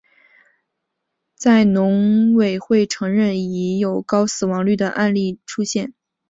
在农委会承认前已有高死亡率的案例出现。